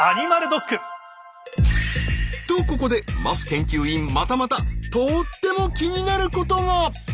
とここで桝研究員またまたとっても気になることが！